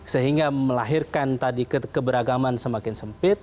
sehingga melahirkan tadi keberagaman semakin sempit